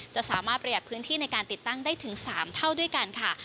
จะสามารถประหยัดพื้นที่ในการติดตั้งได้ถึง๓เท่าด้วยกันค่ะ